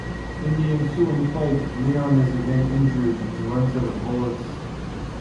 In the ensuing fight, Leon is again injured, and runs out of bullets.